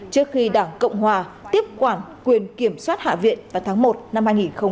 trước khi đảng cộng hòa tiếp quản quyền kiểm soát hạ viện vào tháng một năm hai nghìn hai mươi